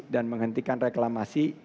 dan menghentikan reklamasi